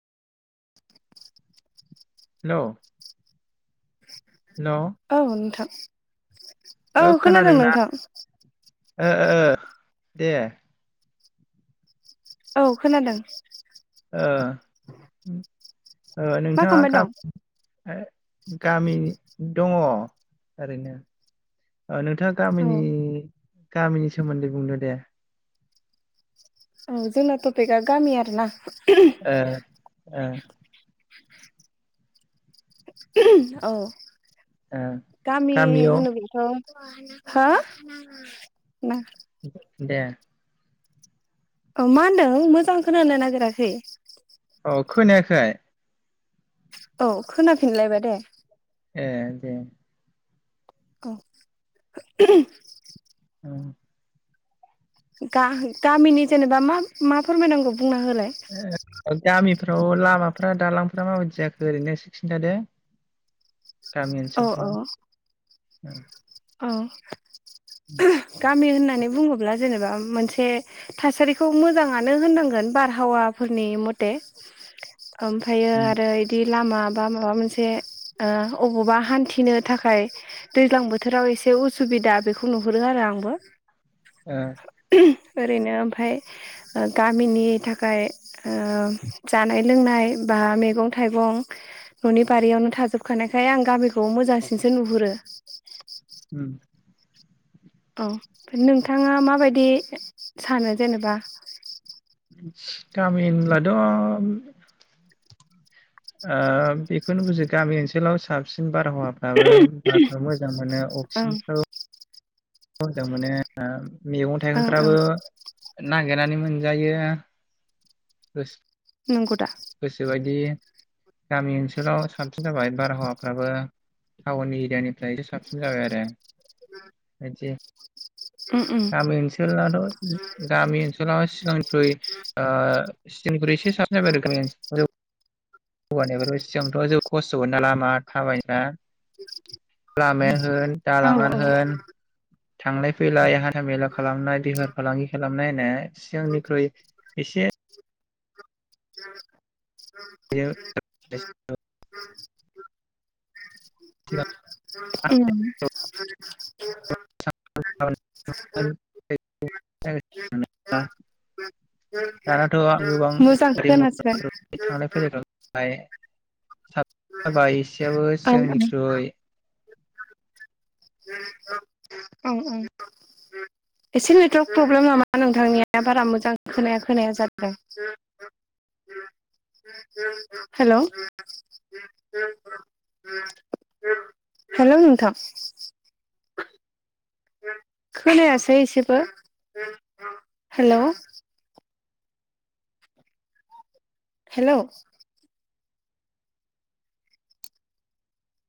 [inaudible] Hello hello औ नोंथां [inaudible] औ खोनादों नोंथां ओ-ओ-ओ दे औ खोनादों ओ ओ मा नोंथाङा खालामबाय दं गाब ओ गामि दङ ओरैनो ओ नोंथाङा औ गामिनि गामिनि सोमोन्दै बुंनो दे औ जोंना थपिका गामि आरो ना ओ-ओ औ ओ गामि गामियाव होनोब्लाथ' [unintelligible] दे ओ मा होनदों मोजां खोनानो नागिराखै औ खोनायाखै औ खोनाफिनलायबाय दे ए दे। औ। ओं। गा गामिनि जेनेबा मा मा फोरमायनांगौ? बुंना होलाय गामि फ्राव लामाफ्रा दालांफ्रा माबायदि जाखो ओरैनो इसे खिन्थादो। गामि औ औ ओनसोलफ्राव उम। औ गामि होननानै बुङोब्ला जेनेबा मोनसे थासारिखौ मोजाङानो होननांगोन बारहावाफोरनि मथे। ओमफ्रायो ओ आरो इदि लामा बा माबा मोनसे ओ ओबावबा हान्थिनो थाखाय दैज्लां बोथ थोराव एसे उसुबिदा बेखौ नुहरो आरो आंबो। ओ [inaudible] ओरैनो ओमफाय ओ गामिनि थाखाय ओ जानाय लोंनाय बा मेगं थाइगं न'नि बारियावनो थाजोबखानायखाय आं गामिखौ मोजांसिनसो नुहुरो। उम औ नोंथाङा माबायदि सानो जेनेबा गामि होनब्लाथ' बेखौनो बुजियो गामि ओनसोलाव साबसिन बा बारहावाफ्राबो बाफ्राव मोजां मोनो ओं अक्सिजेनफ्राबो मोजां मोनो मैगं ओं ओं थाइगंफ्राबो नागेर नानै मोनजायो। नोंगौ दा। गोसोबायदि गामि ओनसोलाव साबसिन जाबाय बारहावाफ्राबो टाउन एरियानि फ्रायबो साबसिन जाबाय आरो बिदि। उम गामि ओनसोलाथ' गामि ओनसोला जों ख्रुय ओ [unintelligible] हौवानिफ्राय इसे जानखार खस्थ' मोनना लामा थाबाय दा लामायानो होन उम दालाङानो होन थांलाय फैलाय हान्थामेला खालामनाय बेफार फालांगि खालामनाय होननाय सिगांनिख्रुइ एसे [inaudible] बियो [unintelligible] [inaudible] उम। [unintelligible] दानाथ' गोबां मोजां खोनास्राया बाय साब जाबाय एसेयाबो ओं ओं सिगांनिख्रुय औ उम। एसे नेटवारक प्रब्लेम नामा नोंथांनिया बारा मोजां खोनाया खोनाया जादों हेल' हेल' नोंथां। खोनायासै इसेबो हेल'। हेल'।